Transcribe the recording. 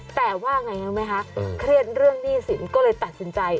แต่ว่าไงรู้ไหมคะเครียดเรื่องหนี้สินก็เลยตัดสินใจ